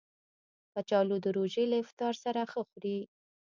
کچالو د روژې له افطار سره ښه خوري